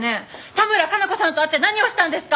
多村加奈子さんと会って何をしたんですか？